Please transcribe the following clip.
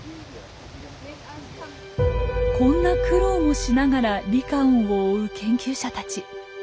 こんな苦労もしながらリカオンを追う研究者たち。